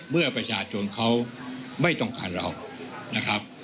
เมื่อประชาชนเขาไม่ต้องการเรานะครับ